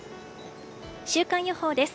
週間予報です。